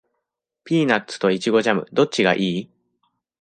ピーナッツとイチゴジャム、どっちがいい？